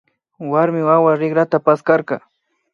Warmi wawa shikrata paskarka